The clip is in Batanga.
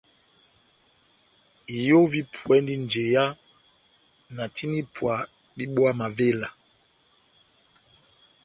Iyo vipuwɛndi njeya na tina ipwa dibówa mavela.